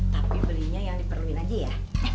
tapi belinya yang diperluin aja ya